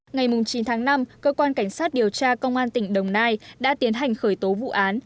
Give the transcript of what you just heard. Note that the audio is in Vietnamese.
ngày chín tháng năm cơ quan cảnh sát điều tra công an tỉnh đồng nai đã tiến hành khởi tố vụ án